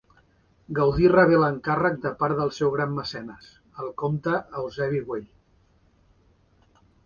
Gaudí rebé l'encàrrec de part del seu gran mecenes, el comte Eusebi Güell.